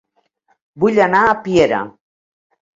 Vull anar a Piera